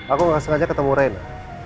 aku gak sengaja ketemu rena